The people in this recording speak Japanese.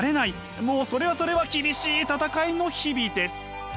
もうそれはそれは厳しい戦いの日々です。